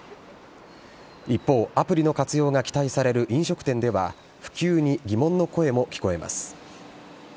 一方、アプリの活用が期待される飲食店では、普及に疑問の声も聞こえます。